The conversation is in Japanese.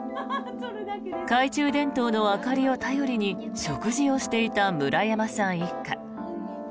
懐中電灯の明かりを頼りに食事をしていた村山さん一家。